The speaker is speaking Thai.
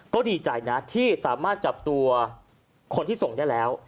ก็ดีใจนะที่สามารถจับตัวคนที่ส่งได้แล้ว